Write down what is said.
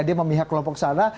dia memihak kelompok sana